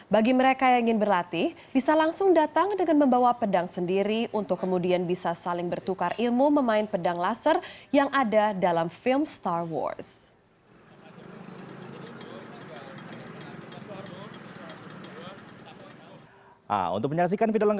bagi mereka yang ingin berlatih bisa langsung datang dengan membawa pedang sendiri untuk kemudian bisa saling bertukar ilmu memain pedang laser yang ada dalam film star wars